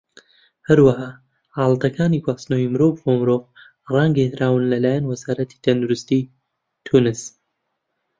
هەروەها، حاڵەتەکانی گواستنەوەی مرۆڤ بۆ مرۆڤ ڕاگەیەنران لەلایەن وەزارەتی تەندروستی تونس.